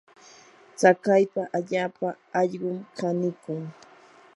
tsakaypa allaapa allqum kanikun.